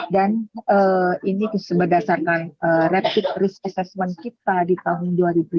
dan ini berdasarkan rapid risk assessment kita di tahun dua ribu dua puluh dua